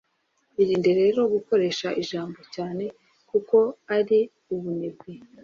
irinde rero gukoresha ijambo 'cyane' kuko ari ubunebwe. ..